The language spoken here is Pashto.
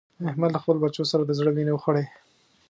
احمد له خپلو بچو سره د زړه وينې وخوړې.